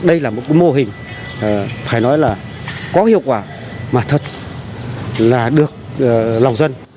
đây là một mô hình phải nói là có hiệu quả mà thật là được lòng dân